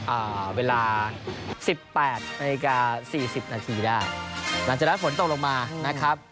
อ่าเวลาสิบแปดนาฬิกาสี่สิบนาทีได้หลังจากนั้นฝนตกลงมานะครับ